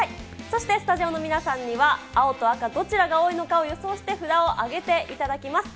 そしてスタジオの皆さんには、青と赤、どちらが多いのか予想して札を上げていただきます。